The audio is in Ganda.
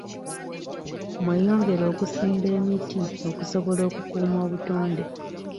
Mweyongere okusimba emiti okusobola okukuuma obutonde.